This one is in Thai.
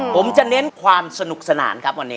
ผมจะเน้นความสนุกสนานครับวันนี้